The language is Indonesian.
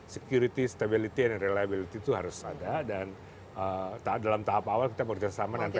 security stability and reliability itu harus ada dan dalam tahap awal kita bekerjasama dengan pt